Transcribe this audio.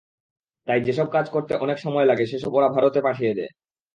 তাই যেসব কাজ করতে অনেক সময় লাগে, সেসব ওরা ভারতে পাঠিয়ে দেয়।